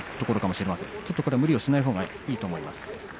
これは無理をしないほうがいいと思います。